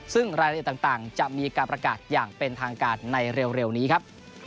ซึ่งรายละเอียดต่างจะมีการประกาศอย่างเป็นทางการในเร็วนี้ครับ